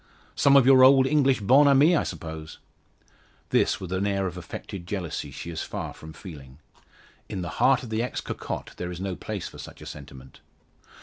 Some of your old English bonnes amies, I suppose?" This, with an air of affected jealousy, she is far from feeling. In the heart of the ex cocotte there is no place for such a sentiment.